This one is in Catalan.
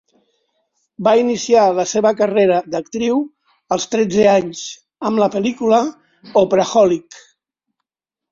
Va iniciar la seva carrera d'actriu als tretze anys amb la pel·lícula "Opraholic".